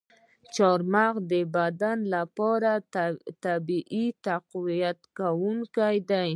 چارمغز د بدن لپاره طبیعي تقویت کوونکی دی.